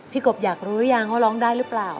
กบอยากรู้หรือยังว่าร้องได้หรือเปล่า